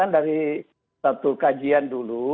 dari satu kajian dulu